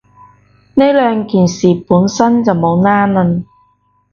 呢兩件事本身就冇拏褦